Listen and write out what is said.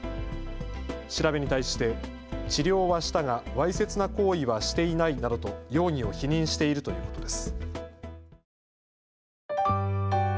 調べに対して治療はしたが、わいせつな行為はしていないなどと容疑を否認しているということです。